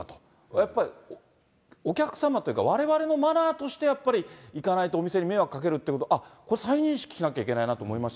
やっぱり、お客様というか、われわれのマナーとして、やっぱりいかないと、お店に迷惑かけると、これ、再認識しなきゃいけないなと思いまし